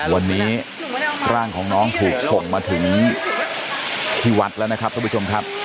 วันนี้ร่างของน้องถูกส่งมาถึงที่วัดแล้วนะครับท่านผู้ชมครับ